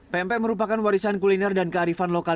pempek merupakan warisan kuliner dan kearifan lokal